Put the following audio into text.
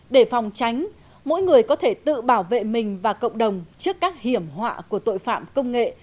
để phòng tránh mỗi người có thể tự bảo vệ mình và cộng đồng trước các hiểm họa của tội phạm công nghệ